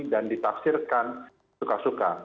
dan ditafsirkan suka suka